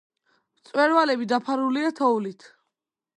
მწვერვალები დაფარულია თოვლით.